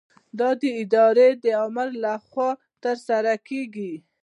دا د ادارې د آمر له خوا ترسره کیږي.